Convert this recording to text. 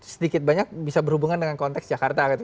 sedikit banyak bisa berhubungan dengan konteks jakarta gitu